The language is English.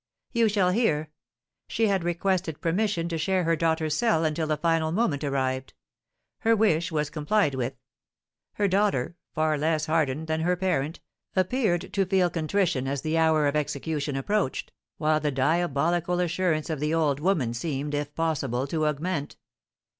"You shall hear. She had requested permission to share her daughter's cell until the final moment arrived; her wish was complied with. Her daughter, far less hardened than her parent, appeared to feel contrition as the hour of execution approached, while the diabolical assurance of the old woman seemed, if possible, to augment.